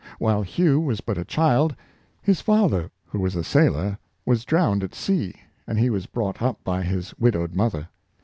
While Hugh was but a child, his father, who was a sailor, was drowned at sea, and he was brought up by his widowed mother.